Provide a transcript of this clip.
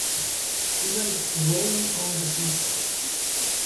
He went rolling on the seesaw.